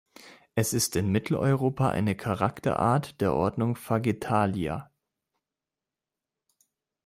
Es ist in Mitteleuropa eine Charakterart der Ordnung Fagetalia.